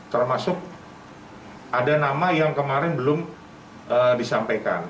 termasuk ada nama yang kemarin belum disampaikan